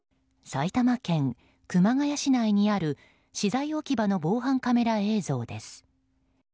埼玉県熊谷市内にある資材置き場の防犯カメラ映像です。